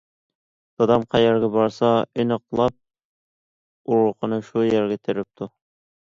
دادام قەيەرگە بارسا، ئىنقىلاب ئۇرۇقىنى شۇ يەرگە تېرىپتۇ.